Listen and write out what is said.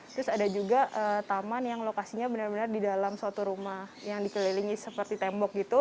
terus ada juga taman yang lokasinya benar benar di dalam suatu rumah yang dikelilingi seperti tembok gitu